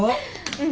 うん。